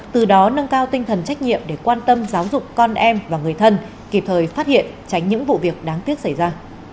từ đó nâng cao tinh thần trách nhiệm để quan tâm giáo dục con em và người thân kịp thời phát hiện tránh những vụ việc đáng tiếc xảy ra